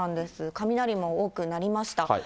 雷も多くなりました。